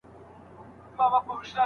مخکې له دې څېړنه سوي وه.